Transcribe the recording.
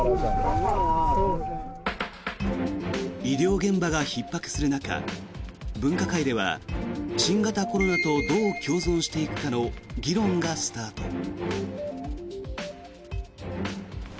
医療現場がひっ迫する中分科会では新型コロナとどう共存していくかの議論がスタート。